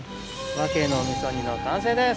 ワケの味噌煮の完成です。